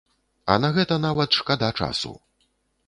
А на гэта нават шкада часу.